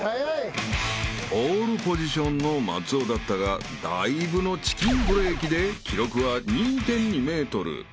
［ポールポジションの松尾だったがだいぶのチキンブレーキで記録は２．２ｍ］